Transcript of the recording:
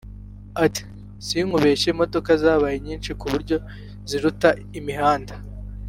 Ati “ Si ukubeshya imodoka zabaye nyinshi kuburyo ziruta imihanda